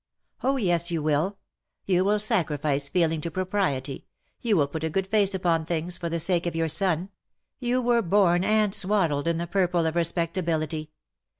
''^' Oh, yes, you will. You will sacrifice feeling to propriety, you will put a good face upon things, for the sake of your son. You were born and swaddled in the purple of respectability.